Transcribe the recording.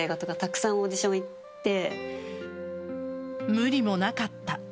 無理もなかった。